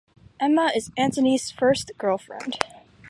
Emma is Antony's first girlfriend.